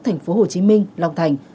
thành phố hồ chí minh long thành